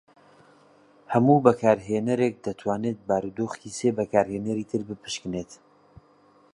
هەموو بەکارهێەرێک دەتوانێت بارودۆخی سێ بەکارهێنەری تر بپشکنێت.